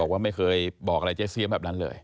ว่าไม่เคยบอกอะไรเจ๊เสียแบบนั้นเลย